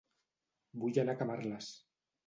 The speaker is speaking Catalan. Vull anar a Camarles